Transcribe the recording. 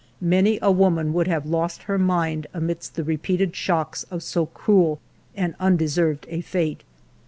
Many a woman would have lost her mind amidst the repeated shocks of so cruel and undeserved a fate.